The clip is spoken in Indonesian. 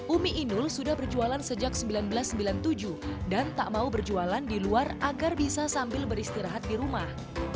umi inul sudah berjualan sejak seribu sembilan ratus sembilan puluh tujuh dan tak mau berjualan di luar agar bisa sambil beristirahat di rumah